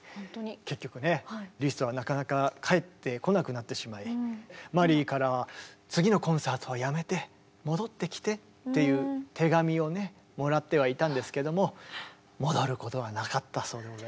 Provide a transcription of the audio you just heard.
結局ねリストはなかなか帰ってこなくなってしまいマリーからは「次のコンサートはやめて戻ってきて」っていう手紙をねもらってはいたんですけども戻ることはなかったそうでございますね。